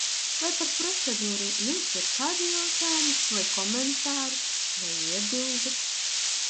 Vai par procedūru jums ir kādi jautājumi vai komentāri, vai iebildes?